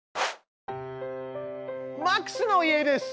マックスの家です。